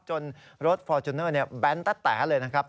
จนรถฟอร์จุนเนอร์แบนต์ตะแตะเลยนะครับ